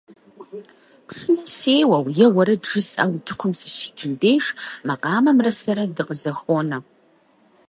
Пшынэ сеуэу е уэрэд жысӀэу утыкум сыщитым деж, макъамэмрэ сэрэ дыкъызэхуонэ.